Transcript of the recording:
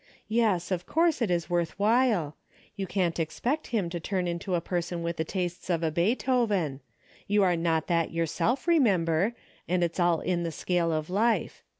Yes, of course it is worth while. You can't expect him to turn into a person with the tastes of a Beethoven. You are not that yourself, remember, and it's all in the scale of life.